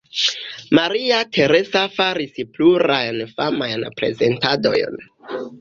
Maria Teresa faris plurajn famajn prezentadojn.